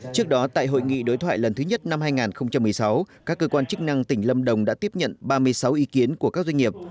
trước đó tại hội nghị đối thoại lần thứ nhất năm hai nghìn một mươi sáu các cơ quan chức năng tỉnh lâm đồng đã tiếp nhận ba mươi sáu ý kiến của các doanh nghiệp